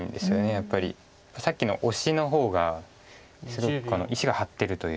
さっきのオシの方がすごく石が張ってるというか。